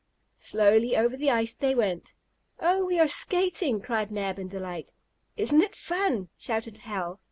Slowly over the ice they went. "Oh, we are skating!" cried Mab, in delight. "Isn't it fun!" shouted Hal.